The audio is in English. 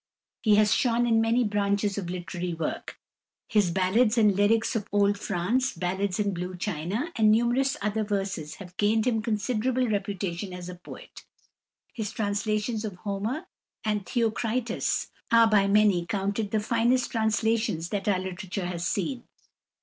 He has shone in many branches of literary work. His "Ballads and Lyrics of Old France," "Ballades in Blue China," and numerous other verses, have gained him considerable reputation as a poet. His translations of Homer and Theocritus are by many counted the finest translations that our literature has seen.